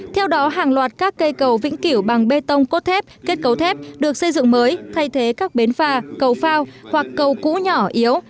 theo đó hàng loạt các cây cầu vĩnh kiểu bằng bê tông cốt thép kết cấu thép được xây dựng mới thay thế các bến phà cầu phao hoặc cầu cũ nhỏ yếu